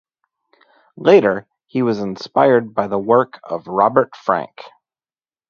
Later he was inspired by the work of Robert Frank.